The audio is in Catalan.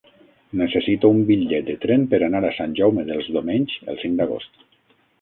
Necessito un bitllet de tren per anar a Sant Jaume dels Domenys el cinc d'agost.